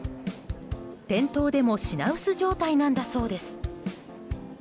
店頭でも品薄状態なんだそうです。